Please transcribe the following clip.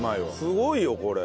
すごいよこれ。